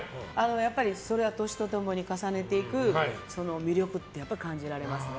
やっぱり、それは年と共に重ねていく魅力ってやっぱり感じられますね。